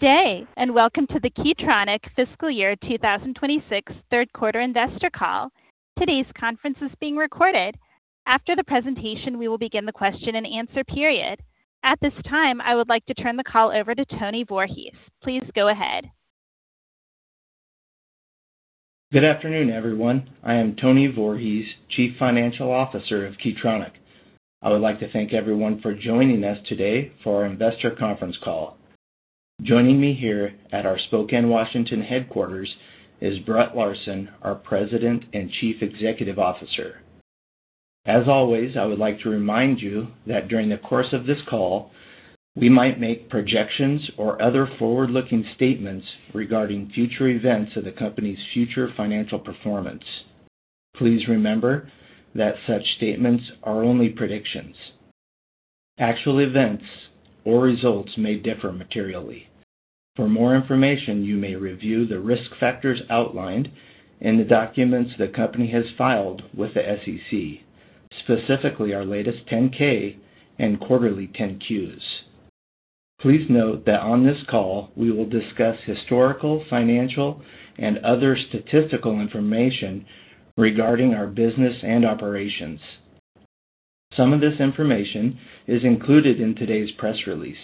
Day, and welcome to the Key Tronic fiscal year 2026 third quarter investor call. Today's conference is being recorded. After the presentation, we will begin the question-and-answer period. At this time, I would like to turn the call over to Anthony Voorhees. Please go ahead. Good afternoon, everyone. I am Anthony Voorhees, Chief Financial Officer of Key Tronic. I would like to thank everyone for joining us today for our investor conference call. Joining me here at our Spokane, Washington headquarters is Brett Larsen, our President and Chief Executive Officer. As always, I would like to remind you that during the course of this call, we might make projections or other forward-looking statements regarding future events of the company's future financial performance. Please remember that such statements are only predictions. Actual events or results may differ materially. For more information, you may review the risk factors outlined in the documents the company has filed with the SEC, specifically our latest 10-K and quarterly 10-Q. Please note that on this call, we will discuss historical, financial, and other statistical information regarding our business and operations. Some of this information is included in today's press release.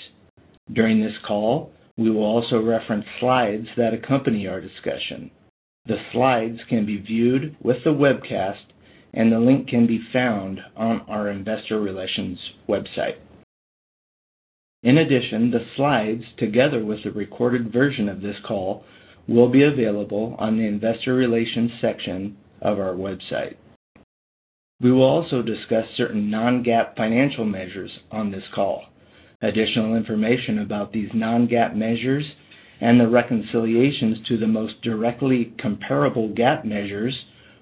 During this call, we will also reference slides that accompany our discussion. The slides can be viewed with the webcast, and the link can be found on our investor relations website. In addition, the slides, together with the recorded version of this call, will be available on the investor relations section of our website. We will also discuss certain non-GAAP financial measures on this call. Additional information about these non-GAAP measures and the reconciliations to the most directly comparable GAAP measures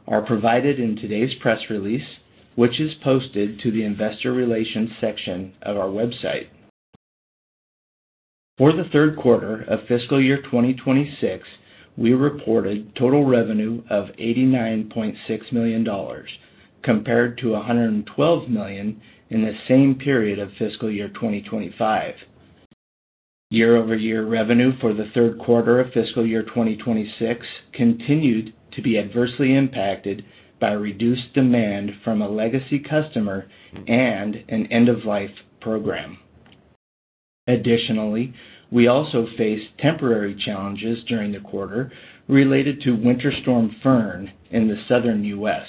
are provided in today's press release, which is posted to the investor relations section of our website. For the third quarter of fiscal year 2026, we reported total revenue of $89.6 million compared to $112 million in the same period of fiscal year 2025. Year-over-year revenue for the third quarter of fiscal year 2026 continued to be adversely impacted by reduced demand from a legacy customer and an end-of-life program. Additionally, we also faced temporary challenges during the quarter related to Winter Storm Fern in the Southern U.S.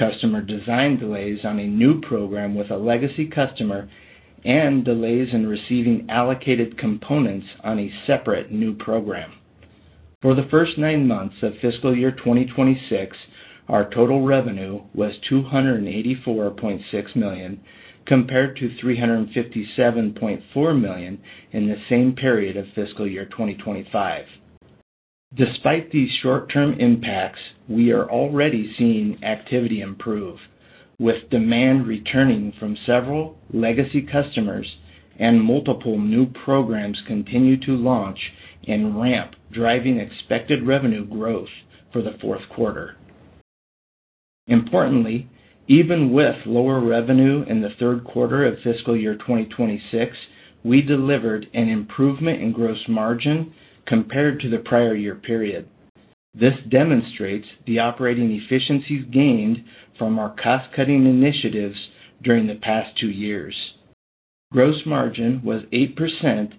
Customer design delays on a new program with a legacy customer and delays in receiving allocated components on a separate new program. For the first nine months of fiscal year 2026, our total revenue was $284.6 million, compared to $357.4 million in the same period of fiscal year 2025. Despite these short-term impacts, we are already seeing activity improve, with demand returning from several legacy customers and multiple new programs continue to launch and ramp, driving expected revenue growth for the fourth quarter. Importantly, even with lower revenue in the third quarter of fiscal year 2026, we delivered an improvement in gross margin compared to the prior year period. This demonstrates the operating efficiencies gained from our cost-cutting initiatives during the past two years. Gross margin was 8%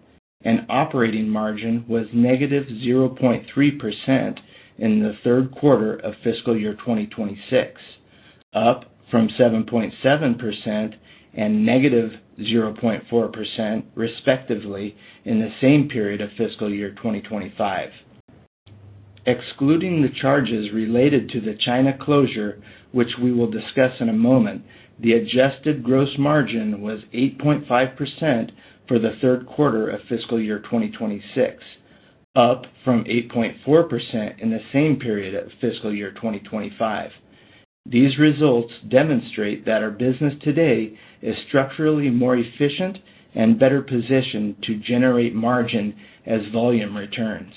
and operating margin was -0.3% in the third quarter of fiscal year 2026, up from 7.7% and -0.4% respectively in the same period of fiscal year 2025. Excluding the charges related to the China closure, which we will discuss in a moment, the adjusted gross margin was 8.5% for the third quarter of fiscal year 2026, up from 8.4% in the same period of fiscal year 2025. These results demonstrate that our business today is structurally more efficient and better positioned to generate margin as volume returns.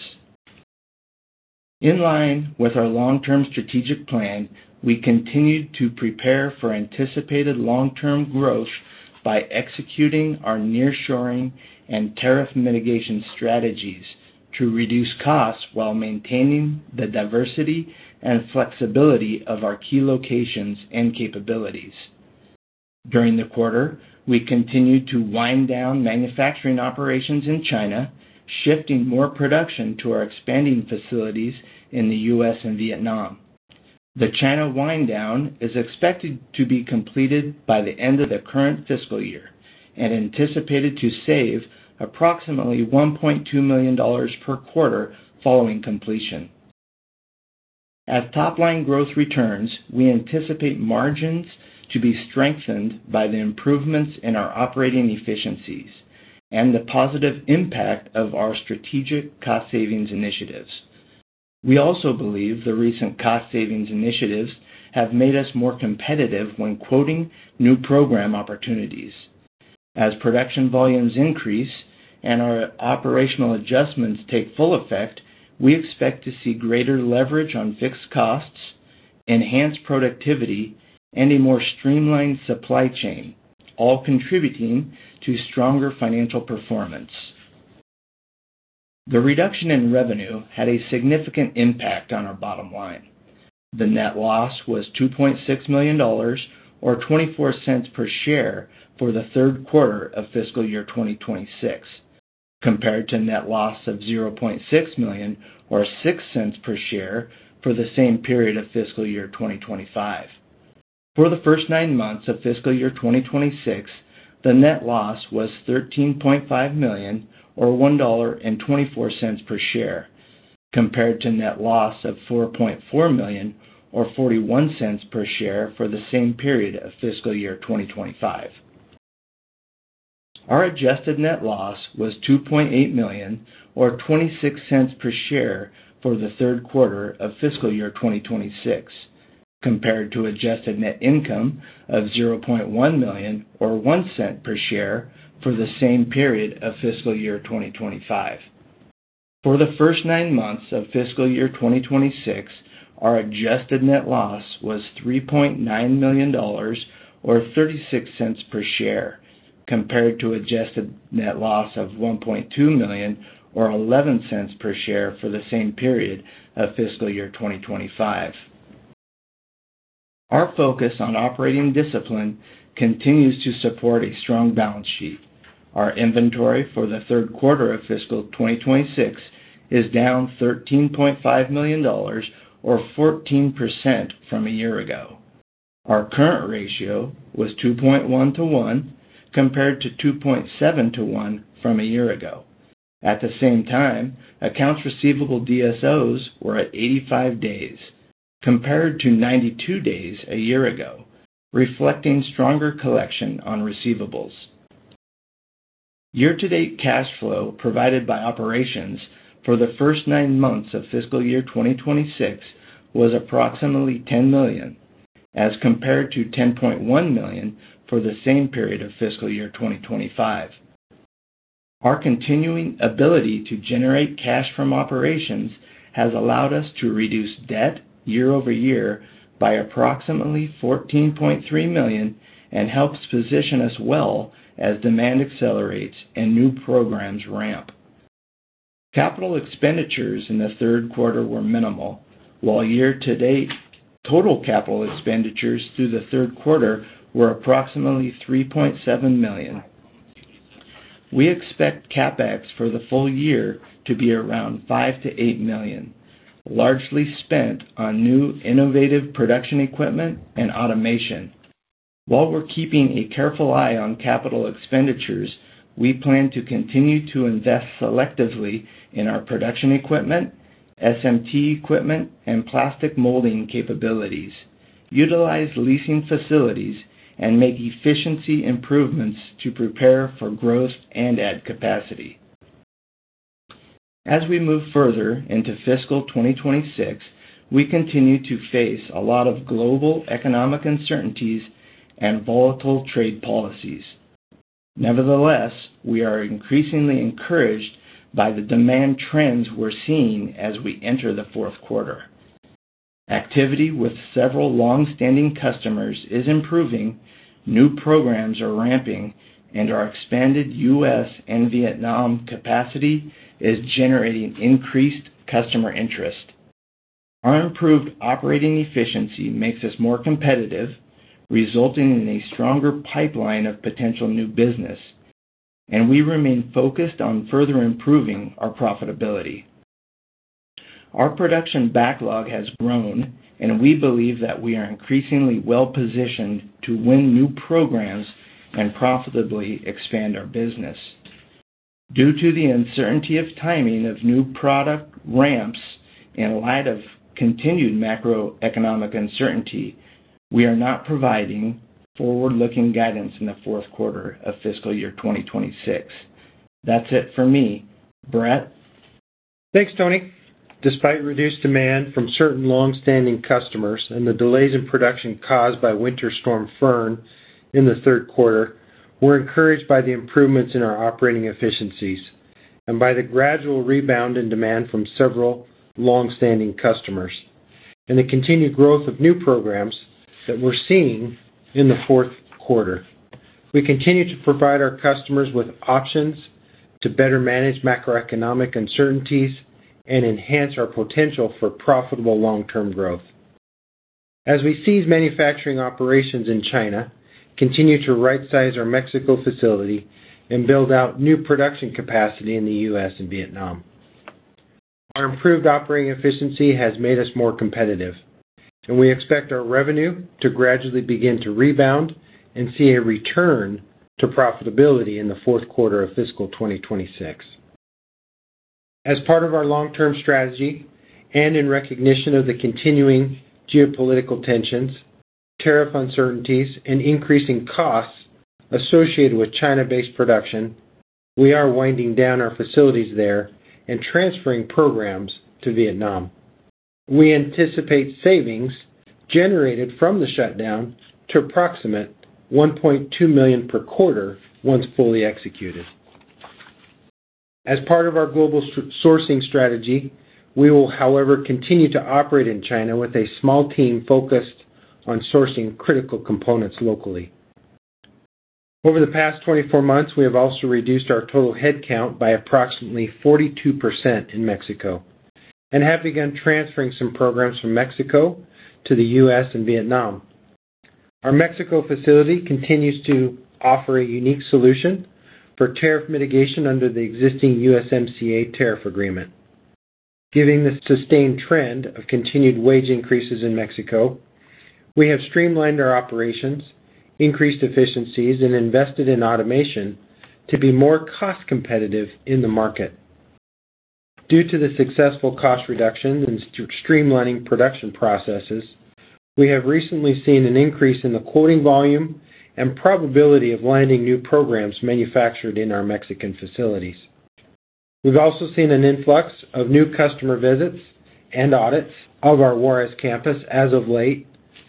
In line with our long-term strategic plan, Key Tronic continued to prepare for anticipated long-term growth by executing our nearshoring and tariff mitigation strategies to reduce costs while maintaining the diversity and flexibility of our key locations and capabilities. During the quarter, we continued to wind down manufacturing operations in China, shifting more production to our expanding facilities in the U.S. and Vietnam. The China wind down is expected to be completed by the end of the current fiscal year and anticipated to save approximately $1.2 million per quarter following completion. As top-line growth returns, we anticipate margins to be strengthened by the improvements in our operating efficiencies and the positive impact of our strategic cost savings initiatives. We also believe the recent cost savings initiatives have made us more competitive when quoting new program opportunities. As production volumes increase and our operational adjustments take full effect, we expect to see greater leverage on fixed costs. Enhanced productivity and a more streamlined supply chain, all contributing to stronger financial performance. The reduction in revenue had a significant impact on our bottom line. The net loss was $2.6 million or $0.24 per share for the third quarter of fiscal year 2026, compared to net loss of $0.6 million or $0.06 per share for the same period of fiscal year 2025. For the first nine months of fiscal year 2026, the net loss was $13.5 million or $1.24 per share, compared to net loss of $4.4 million or $0.41 per share for the same period of fiscal year 2025. Our adjusted net loss was $2.8 million or $0.26 per share for the third quarter of fiscal year 2026, compared to adjusted net income of $0.1 million or $0.01 per share for the same period of fiscal year 2025. For the first nine months of fiscal year 2026, our adjusted net loss was $3.9 million or $0.36 per share, compared to adjusted net loss of $1.2 million or $0.11 per share for the same period of fiscal year 2025. Our focus on operating discipline continues to support a strong balance sheet. Our inventory for the third quarter of fiscal 2026 is down $13.5 million or 14% from a year ago. Our current ratio was 2.1-1, compared to 2.7-1 from a year ago. At the same time, accounts receivable DSO were at 85 days, compared to 92 days a year ago, reflecting stronger collection on receivables. Year-to-date cash flow provided by operations for the first nine months of fiscal year 2026 was approximately $10 million, as compared to $10.1 million for the same period of fiscal year 2025. Our continuing ability to generate cash from operations has allowed us to reduce debt year-over-year by approximately $14.3 million and helps position us well as demand accelerates and new programs ramp. Capital expenditures in the third quarter were minimal, while year-to-date total capital expenditures through the third quarter were approximately $3.7 million. We expect CapEx for the full year to be around $5 million-$8 million, largely spent on new innovative production equipment and automation. While we're keeping a careful eye on capital expenditures, we plan to continue to invest selectively in our production equipment, SMT equipment, and plastic molding capabilities, utilize leasing facilities, and make efficiency improvements to prepare for growth and add capacity. As we move further into fiscal 2026, we continue to face a lot of global economic uncertainties and volatile trade policies. Nevertheless, we are increasingly encouraged by the demand trends we're seeing as we enter the fourth quarter. Activity with several long-standing customers is improving, new programs are ramping, and our expanded U.S. and Vietnam capacity is generating increased customer interest. Our improved operating efficiency makes us more competitive, resulting in a stronger pipeline of potential new business, and we remain focused on further improving our profitability. Our production backlog has grown, and we believe that we are increasingly well-positioned to win new programs and profitably expand our business. Due to the uncertainty of timing of new product ramps in light of continued macroeconomic uncertainty, we are not providing forward-looking guidance in the fourth quarter of fiscal year 2026. That's it for me. Brett? Thanks, Tony. Despite reduced demand from certain long-standing customers and the delays in production caused by Winter Storm Fern in the third quarter, we're encouraged by the improvements in our operating efficiencies and by the gradual rebound in demand from several long-standing customers and the continued growth of new programs that we're seeing in the fourth quarter. We continue to provide our customers with options to better manage macroeconomic uncertainties and enhance our potential for profitable long-term growth. As we cease manufacturing operations in China, continue to right-size our Mexico facility, and build out new production capacity in the U.S. and Vietnam. Our improved operating efficiency has made us more competitive, and we expect our revenue to gradually begin to rebound and see a return to profitability in the fourth quarter of fiscal 2026. As part of our long-term strategy and in recognition of the continuing geopolitical tensions, tariff uncertainties, and increasing costs associated with China-based production, we are winding down our facilities there and transferring programs to Vietnam. We anticipate savings generated from the shutdown to approximate $1.2 million per quarter once fully executed. As part of our global sourcing strategy, we will, however, continue to operate in China with a small team focused on sourcing critical components locally. Over the past 24 months, we have also reduced our total headcount by approximately 42% in Mexico and have begun transferring some programs from Mexico to the U.S. and Vietnam. Our Mexico facility continues to offer a unique solution for tariff mitigation under the existing USMCA tariff agreement. Given the sustained trend of continued wage increases in Mexico, we have streamlined our operations, increased efficiencies, and invested in automation to be more cost-competitive in the market. Due to the successful cost reductions and streamlining production processes, we have recently seen an increase in the quoting volume and probability of landing new programs manufactured in our Mexican facilities. We've also seen an influx of new customer visits and audits of our Juarez campus as of late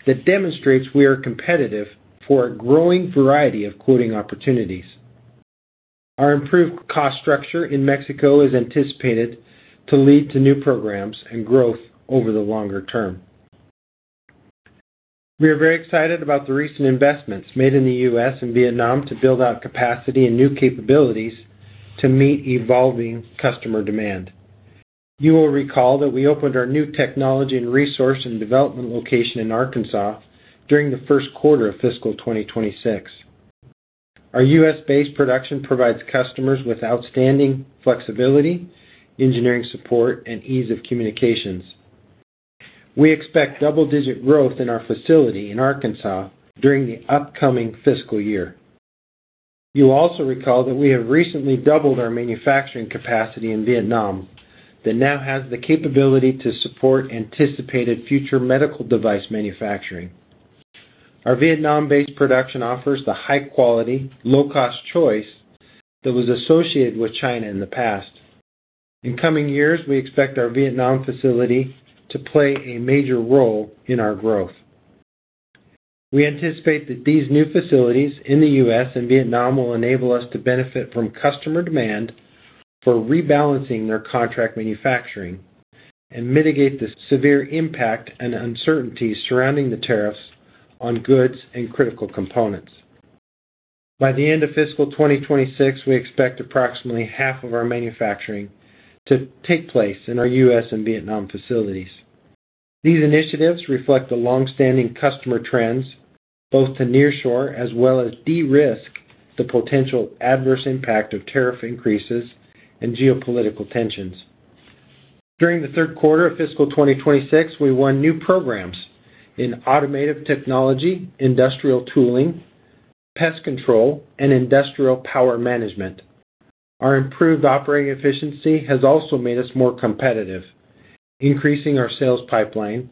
that demonstrates we are competitive for a growing variety of quoting opportunities. Our improved cost structure in Mexico is anticipated to lead to new programs and growth over the longer term. We are very excited about the recent investments made in the U.S. and Vietnam to build out capacity and new capabilities to meet evolving customer demand. You will recall that we opened our new technology and research and development location in Arkansas during the first quarter of fiscal 2026. Our U.S.-based production provides customers with outstanding flexibility, engineering support, and ease of communications. We expect double-digit growth in our facility in Arkansas during the upcoming fiscal year. You'll also recall that we have recently doubled our manufacturing capacity in Vietnam that now has the capability to support anticipated future medical device manufacturing. Our Vietnam-based production offers the high-quality, low-cost choice that was associated with China in the past. In coming years, we expect our Vietnam facility to play a major role in our growth. We anticipate that these new facilities in the U.S. and Vietnam will enable us to benefit from customer demand for rebalancing their contract manufacturing and mitigate the severe impact and uncertainty surrounding the tariffs on goods and critical components. By the end of fiscal 2026, we expect approximately half of our manufacturing to take place in our U.S. and Vietnam facilities. These initiatives reflect the longstanding customer trends, both to nearshore as well as de-risk the potential adverse impact of tariff increases and geopolitical tensions. During the third quarter of fiscal 2026, we won new programs in automotive technology, industrial tooling, pest control, and industrial power management. Our improved operating efficiency has also made us more competitive, increasing our sales pipeline,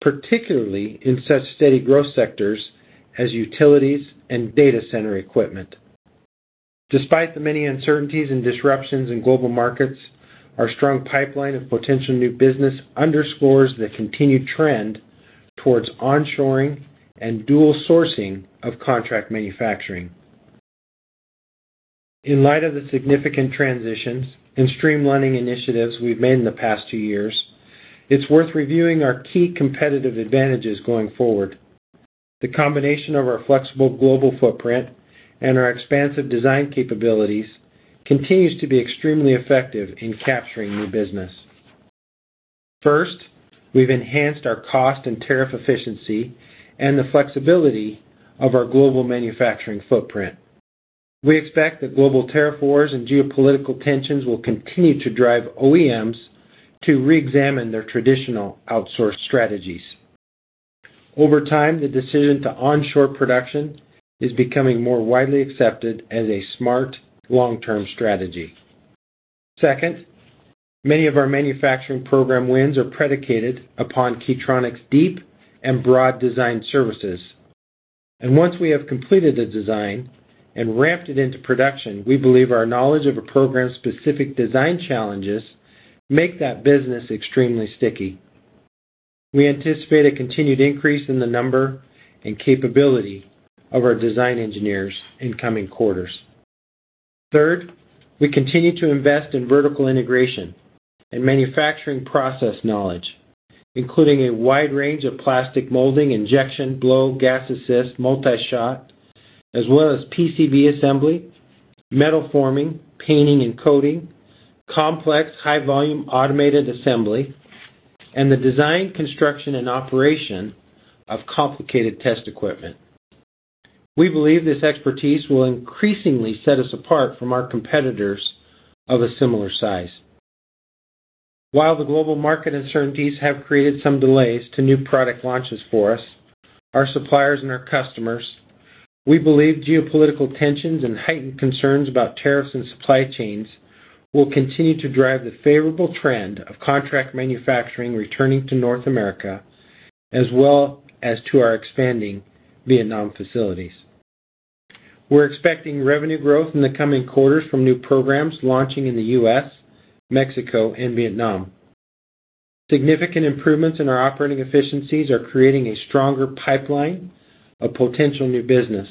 particularly in such steady growth sectors as utilities and data center equipment. Despite the many uncertainties and disruptions in global markets, our strong pipeline of potential new business underscores the continued trend towards onshoring and dual sourcing of contract manufacturing. In light of the significant transitions and streamlining initiatives we've made in the past three years, it's worth reviewing our key competitive advantages going forward. The combination of our flexible global footprint and our expansive design capabilities continues to be extremely effective in capturing new business. First, we've enhanced our cost and tariff efficiency and the flexibility of our global manufacturing footprint. We expect that global tariff wars and geopolitical tensions will continue to drive OEMs to reexamine their traditional outsource strategies. Over time, the decision to onshore production is becoming more widely accepted as a smart long-term strategy. Second, many of our manufacturing program wins are predicated upon Key Tronic's deep and broad design services. Once we have completed the design and ramped it into production, we believe our knowledge of a program's specific design challenges make that business extremely sticky. We anticipate a continued increase in the number and capability of our design engineers in coming quarters. Third, we continue to invest in vertical integration and manufacturing process knowledge, including a wide range of plastic molding, injection, blow, gas assist, multi-shot, as well as PCB assembly, metal forming, painting and coating, complex high-volume automated assembly, and the design, construction, and operation of complicated test equipment. We believe this expertise will increasingly set us apart from our competitors of a similar size. While the global market uncertainties have created some delays to new product launches for us, our suppliers, and our customers, we believe geopolitical tensions and heightened concerns about tariffs and supply chains will continue to drive the favorable trend of contract manufacturing returning to North America as well as to our expanding Vietnam facilities. We're expecting revenue growth in the coming quarters from new programs launching in the U.S., Mexico, and Vietnam. Significant improvements in our operating efficiencies are creating a stronger pipeline of potential new business.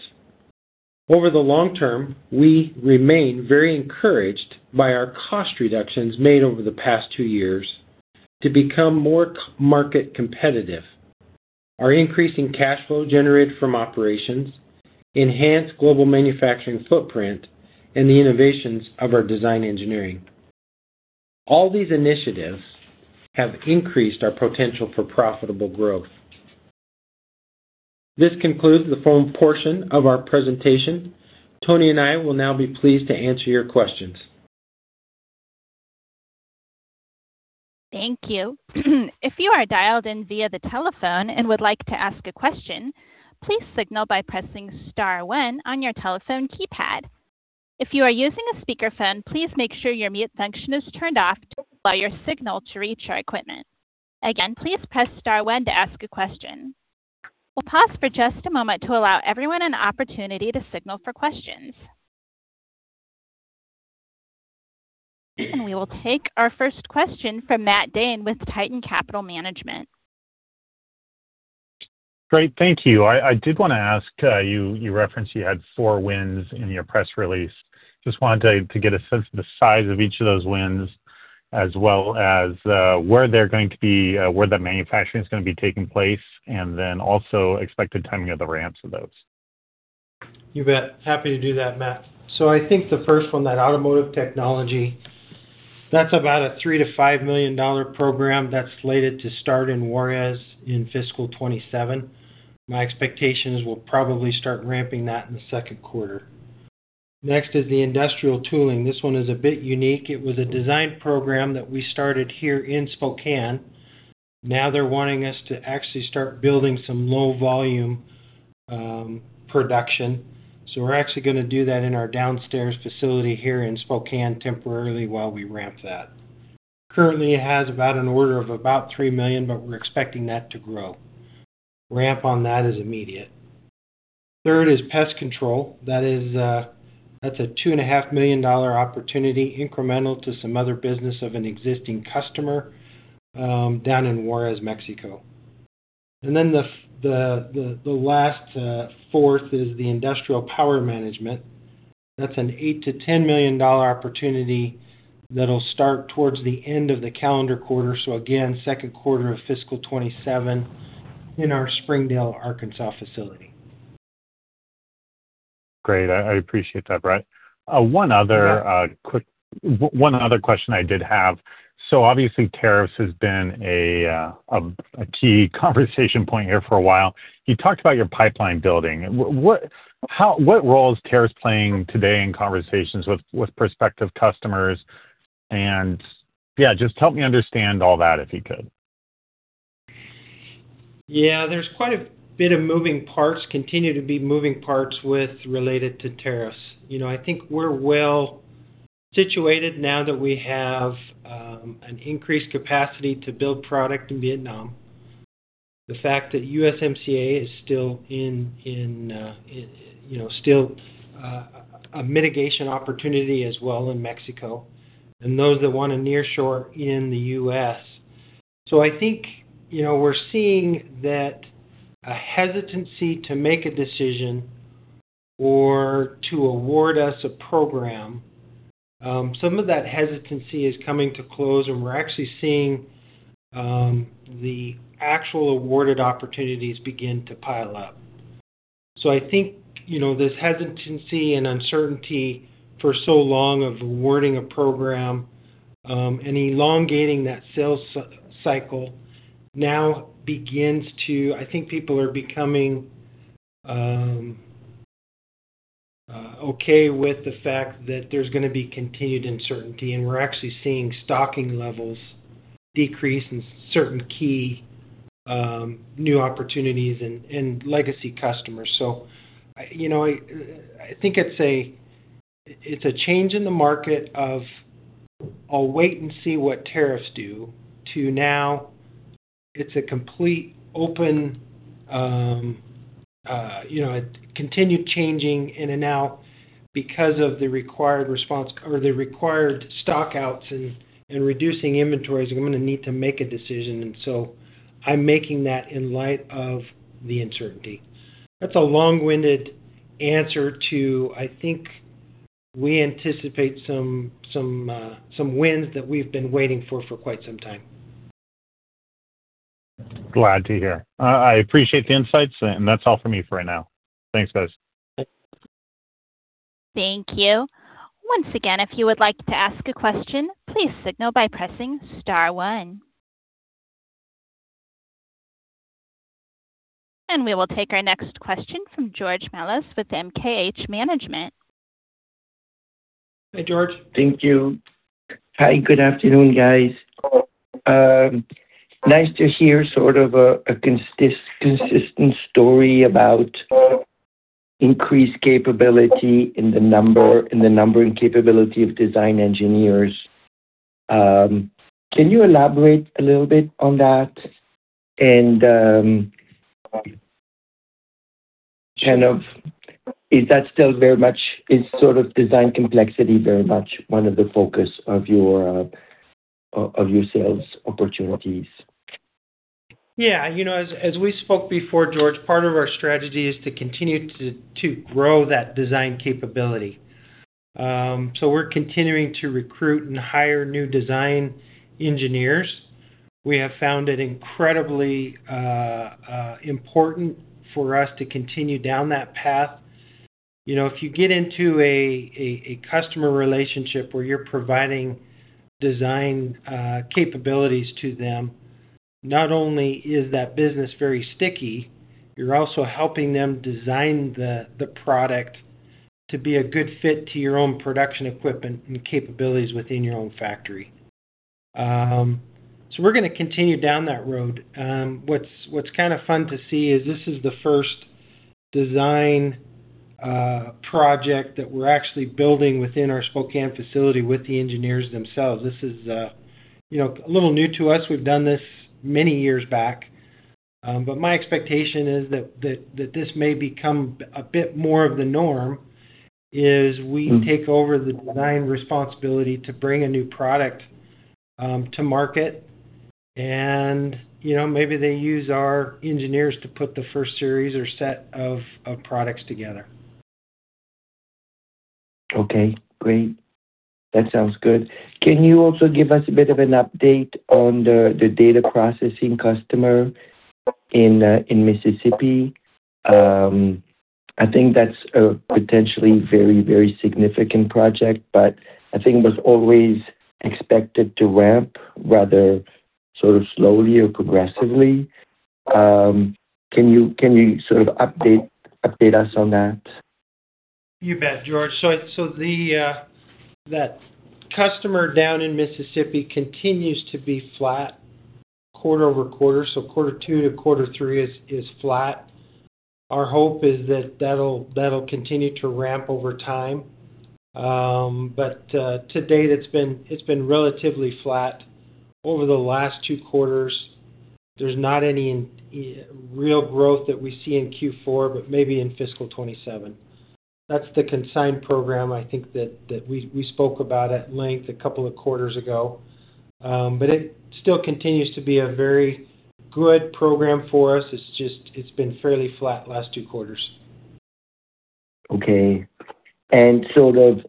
Over the long term, we remain very encouraged by our cost reductions made over the past two years to become more market competitive. Our increasing cash flow generated from operations enhance global manufacturing footprint and the innovations of our design engineering. All these initiatives have increased our potential for profitable growth. This concludes the phone portion of our presentation. Tony and I will now be pleased to answer your questions. Thank you. If you are dialed in via the telephone and would like to ask a question, please signal by pressing star one on your telephone keypad. If you are using a speakerphone, please make sure your mute function is turned off to allow your signal to reach our equipment. Again, please Press Star one to ask a question. We will pause for just a moment to allow everyone an opportunity to signal for questions. We will take our first question from Matt Dane with Titan Capital Management. Great. Thank you. I did wanna ask, you referenced you had four wins in your press release. Just wanted to get a sense of the size of each of those wins as well as, where they're going to be, where the manufacturing is gonna be taking place, also expected timing of the ramps of those. You bet. Happy to do that, Matt. I think the first one, that automotive technology, that's about a $3 million-$5 million program that's slated to start in Juarez in fiscal 2027. My expectation is we'll probably start ramping that in the second quarter. Next is the industrial tooling. This one is a bit unique. It was a design program that we started here in Spokane. They're wanting us to actually start building some low volume production. We're actually going to do that in our downstairs facility here in Spokane temporarily while we ramp that. Currently, it has about an order of about $3 million, but we're expecting that to grow. Ramp on that is immediate. Third is pest control. That's a two and a half million dollar opportunity incremental to some other business of an existing customer down in Juarez, Mexico. The last fourth is the industrial power management. That's an $8 million-$10 million opportunity that'll start towards the end of the calendar quarter. Again, second quarter of fiscal 2027 in our Springdale, Arkansas facility. Great. I appreciate that, Brett. One other question I did have. Obviously, tariffs has been a key conversation point here for a while. You talked about your pipeline building. What role is tariffs playing today in conversations with prospective customers? Yeah, just help me understand all that, if you could. Yeah. There's quite a bit of moving parts, continue to be moving parts with related to tariffs. You know, I think we're well situated now that we have an increased capacity to build product in Vietnam. The fact that USMCA is still you know, still a mitigation opportunity as well in Mexico and those that want to nearshoring in the U.S. I think, you know, we're seeing that a hesitancy to make a decision or to award us a program, some of that hesitancy is coming to close, and we're actually seeing the actual awarded opportunities begin to pile up. I think, you know, this hesitancy and uncertainty for so long of awarding a program, and elongating that sales cycle now begins to I think people are becoming okay with the fact that there's gonna be continued uncertainty, and we're actually seeing stocking levels decrease in certain key new opportunities and legacy customers. You know, I think it's a change in the market of, "I'll wait and see what tariffs do," to now it's a complete open, you know, a continued changing in and out because of the required response or the required stock outs and reducing inventories. I'm gonna need to make a decision, I'm making that in light of the uncertainty. That's a long-winded answer to I think we anticipate some wins that we've been waiting for for quite some time. Glad to hear. I appreciate the insights, that's all for me for right now. Thanks, guys. Okay. Thank you. Once again, if you would like to ask a question, please signal by Pressing Star one. We will take our next question from George Melas with MKH Management. Hey, George. Thank you. Hi. Good afternoon, guys. Hello. Nice to hear sort of a consistent story about increased capability in the number and capability of design engineers. Can you elaborate a little bit on that? Is that still very much, is sort of design complexity very much one of the focus of your sales opportunities? Yeah. You know, as we spoke before, George, part of our strategy is to continue to grow that design capability. We're continuing to recruit and hire new design engineers. We have found it incredibly important for us to continue down that path. You know, if you get into a customer relationship where you're providing design capabilities to them, not only is that business very sticky, you're also helping them design the product to be a good fit to your own production equipment and capabilities within your own factory. We're gonna continue down that road. What's kinda fun to see is this is the first design project that we're actually building within our Spokane facility with the engineers themselves. This is, you know, a little new to us. We've done this many years back. My expectation is that this may become a bit more of the norm. take over the design responsibility to bring a new product to market and, you know, maybe they use our engineers to put the first series or set of products together. Okay, great. That sounds good. Can you also give us a bit of an update on the data processing customer in Mississippi? I think that's a potentially very significant project, but I think it was always expected to ramp rather sort of slowly or progressively. Can you sort of update us on that? You bet, George Melas. It's that customer down in Mississippi continues to be flat quarter-over-quarter, so quarter two to quarter three is flat. Our hope is that that'll continue to ramp over time. To date, it's been relatively flat over the last two quarters. There's not any real growth that we see in Q4, maybe in fiscal 2027. That's the consigned program, I think that we spoke about at length a couple of quarters ago. It still continues to be a very good program for us. It's just, it's been fairly flat last two quarters. Okay. Sort of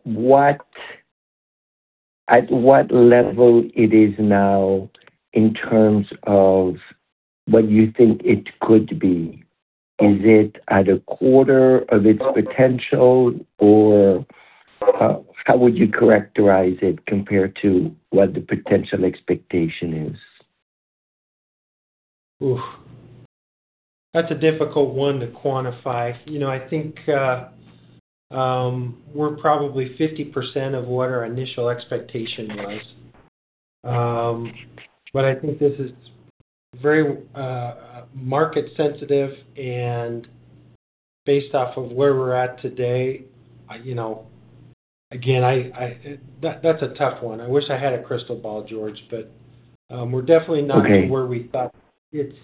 at what level it is now in terms of what you think it could be? Is it at a quarter of its potential or how would you characterize it compared to what the potential expectation is? Oof. That's a difficult one to quantify. You know, I think we're probably 50% of what our initial expectation was. I think this is very market sensitive and based off of where we're at today, you know. Again, that's a tough one. I wish I had a crystal ball, George. We're definitely not. Okay where we thought its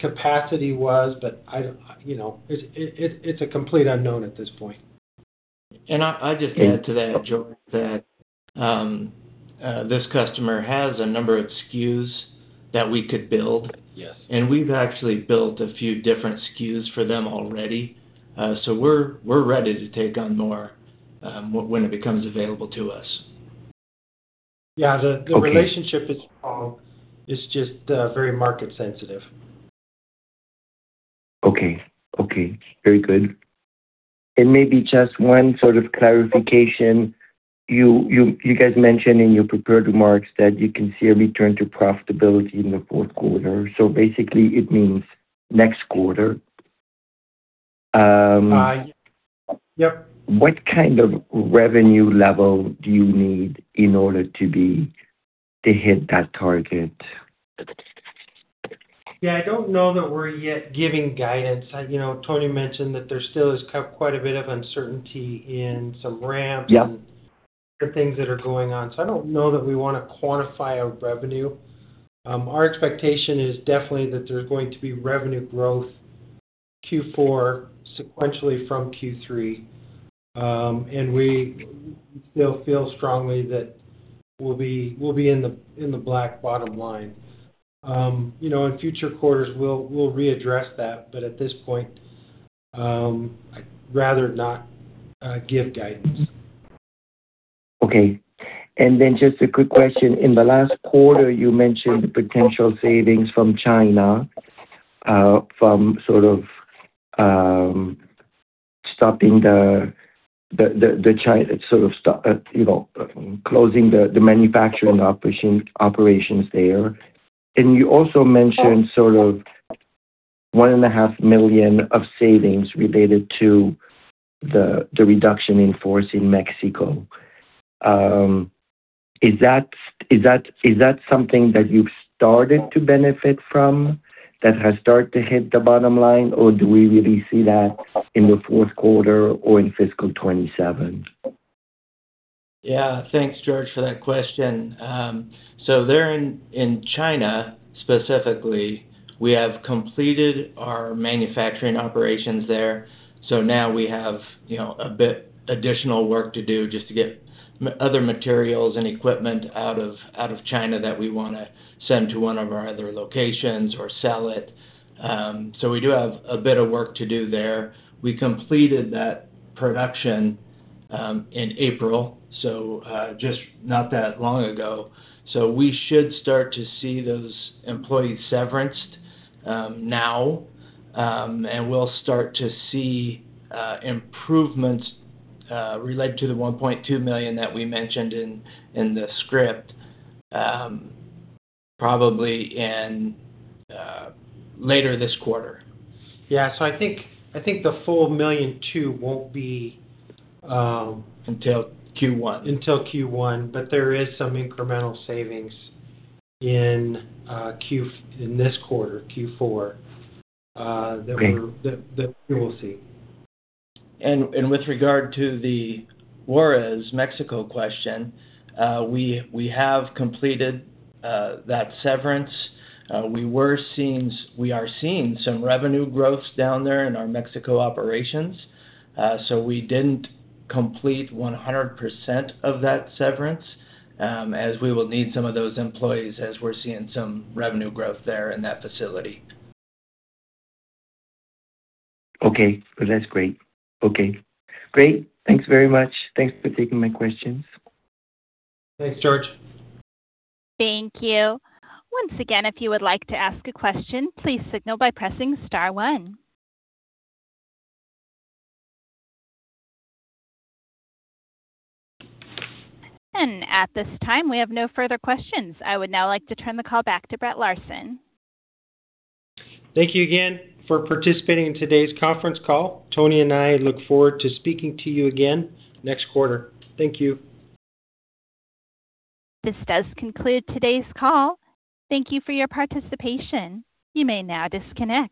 capacity was, You know, it's a complete unknown at this point. I just add to that, George, that this customer has a number of SKUs that we could build. Yes. We've actually built a few different SKUs for them already. We're ready to take on more when it becomes available to us. Yeah. Okay The relationship is strong. It's just very market sensitive. Okay. Okay. Very good. Maybe just one sort of clarification. You guys mentioned in your prepared remarks that you can see a return to profitability in the fourth quarter, so basically it means next quarter. Yep. what kind of revenue level do you need in order to hit that target? Yeah. I don't know that we're yet giving guidance. You know, Anthony Voorhees mentioned that there still is quite a bit of uncertainty in some ramp. Yep other things that are going on. I don't know that we wanna quantify our revenue. Our expectation is definitely that there's going to be revenue growth Q4 sequentially from Q3. We still feel strongly that we'll be in the, in the black bottom line. You know, in future quarters we'll readdress that, but at this point, I'd rather not give guidance. Just a quick question. In the last quarter you mentioned potential savings from China, from sort of, you know, closing the manufacturing operations there. You also mentioned sort of $1.5 million of savings related to the reduction in force in Mexico. Is that something that you've started to benefit from, that has started to hit the bottom line, or do we really see that in the fourth quarter or in fiscal 2027? Yeah. Thanks, George, for that question. There in China specifically, we have completed our manufacturing operations there. Now we have, you know, a bit additional work to do just to get other materials and equipment out of China that we wanna send to one of our other locations or sell it. We do have a bit of work to do there. We completed that production in April, just not that long ago. We should start to see those employees severed now, and we'll start to see improvements related to the $1.2 million that we mentioned in the script probably later this quarter. Yeah. I think the full $1.2 million won't be, Until Q1. Until Q1, there is some incremental savings in this quarter, Q4. Okay that we will see. With regard to the Juarez, Mexico question, we have completed that severance. We are seeing some revenue growths down there in our Mexico operations, we didn't complete 100% of that severance, as we will need some of those employees as we're seeing some revenue growth there in that facility. Okay. Well, that's great. Okay. Great. Thanks very much. Thanks for taking my questions. Thanks, George. Thank you. Once again, if you would like to ask a question, please signal by pressing star one. At this time, we have no further questions. I would now like to turn the call back to Brett Larsen. Thank you again for participating in today's Conference Call. Anthony Voorhees and I look forward to speaking to you again next quarter. Thank you. This does conclude today's call. Thank you for your participation. You may now disconnect.